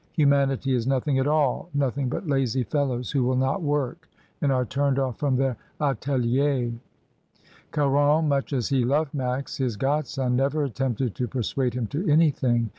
"Humanity is nothing at all — nothing but lazy fellows, who will not work, and are turned off from their ateliers.*^ Caron, much as he loved Max, his godscHi, never attempted to persuade him to anything.